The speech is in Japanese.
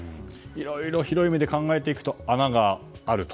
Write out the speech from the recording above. いろいろ広い面で考えていくと穴があると。